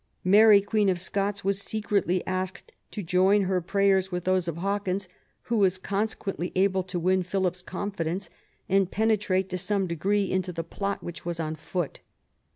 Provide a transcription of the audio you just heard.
Mary Queen of Scots was secretly asked to join her prayers with those of Hawkins, who was consequently able to win Philip's confidence and penetrate to some degree into the plot which was on foot.